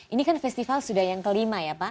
ini kan festival sudah yang kelima ya pak